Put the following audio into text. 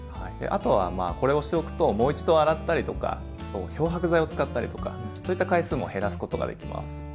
あとはまあこれをしておくともう一度洗ったりとか漂白剤を使ったりとかそういった回数も減らすことができます。